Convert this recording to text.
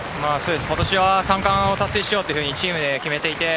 今年は、３冠を達成しようとチームで決めていて。